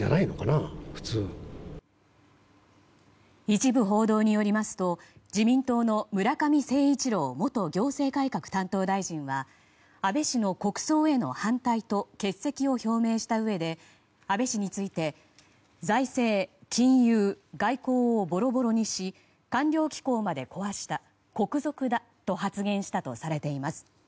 一部報道によりますと自民党の村上誠一郎元行政改革担当大臣は安倍氏の国葬への反対と欠席を表明したうえで安倍氏について財政、金融、外交をぼろぼろにし官僚機構まで壊した国賊だと発言したとされています。